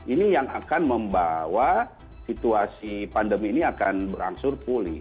ini yang akan membawa situasi pandemi ini akan berangsur pulih